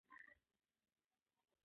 د لاس توليه شخصي وساتئ.